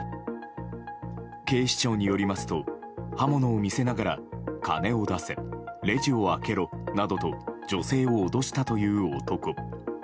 警視庁によりますと刃物を見せながら金を出せ、レジを開けろなどと女性を脅したという男。